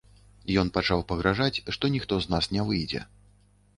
Ён пачаў пагражаць, што ніхто з нас не выйдзе.